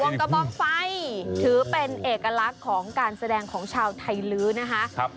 กระบองไฟถือเป็นเอกลักษณ์ของการแสดงของชาวไทยลื้อนะคะ